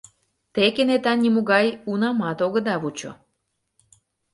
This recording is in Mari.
— Те кенета нимогай унамат огыда вучо?